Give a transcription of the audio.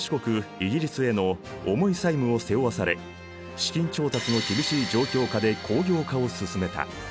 イギリスへの重い債務を背負わされ資金調達の厳しい状況下で工業化を進めた。